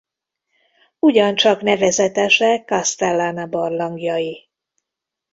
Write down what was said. Ugyancsak nevezetesek Castellana barlangjai.